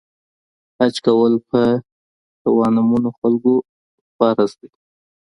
حج کول په توانمنو خلګو فرض دی.